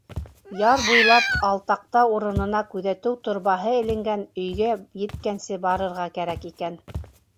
Яр буйлап алтаҡта урынына күҙәтеү торбаһы эленгән өйгә еткәнсе барырға кәрәк икән.